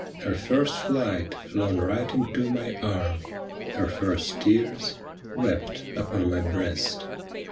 Her first flight flown right into my arm. Her first tears wept upon my breast.